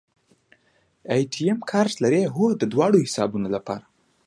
اے ټي ایم کارت لرئ؟ هو، دواړو حسابونو لپاره